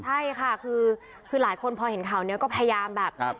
ใช่ค่ะคือหลายคนพอเห็นข่าวนี้ก็พยายามแบบ